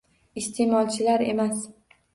Iste'molchilar emas